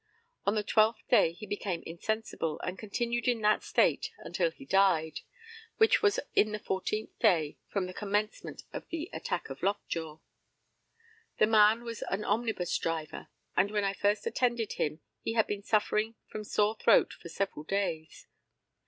On the twelfth day he became insensible, and continued in that state until he died, which was in the fourteenth day from the commencement of the attack of lockjaw. The man was an omnibus driver, and when I first attended him he had been suffering from sore throat for several days.